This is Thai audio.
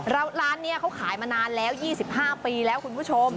แล้วร้านนี้เขาขายมานานแล้ว๒๕ปีแล้วคุณผู้ชม